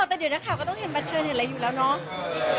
ไม่พอแต่เดี๋ยวหน้าข้ำก็ต้องเห็นบัตรเชิญอีกเลยอยู่แล้วเนาะ